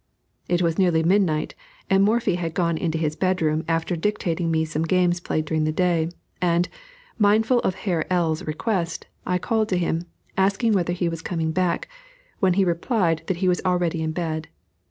It was nearly midnight, and Morphy had gone into his bedroom after dictating me some games played during the day, and, mindful of Herr L.'s request, I called to him, asking whether he was coming back, when he replied that he was already in bed.